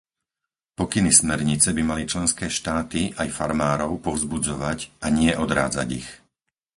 Pokyny smernice by mali členské štáty aj farmárov povzbudzovať a nie odrádzať ich.